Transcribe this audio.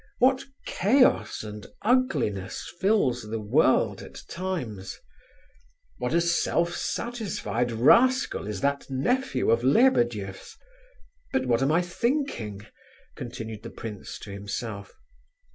What chaos and ugliness fills the world at times! What a self satisfied rascal is that nephew of Lebedeff's! "But what am I thinking," continued the prince to himself.